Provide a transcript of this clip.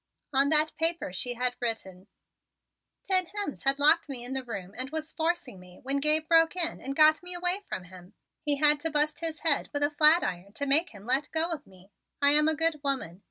On that paper she had written: "Hen Timms had locked me in the room and was forcing me when Gabe broke in and got me away from him. He had to bust his head with a flatiron to make him let go of me. I am a good woman.